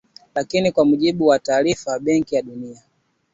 Lakini kwa mujibu wa taarifa ya Benki ya Dunia